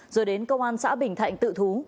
rồi đến công an xã bình thạnh tự thú